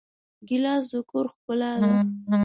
ګیلاس د کور ښکلا ده.